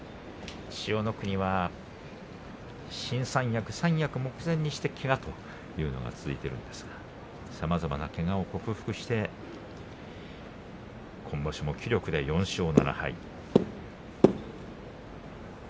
千代の国は新三役三役を目前にしてけがというのが続いているんですがさまざまなけがを克服して今場所も気力で４勝７敗。